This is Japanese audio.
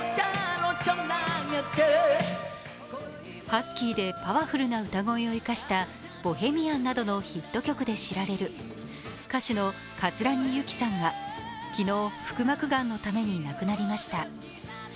ハスキーでパワフルな歌声を生かした、「ボヘミアン」などのヒット曲で知られる歌手の葛城ユキさんが昨日、腹膜がんのために亡くなりました。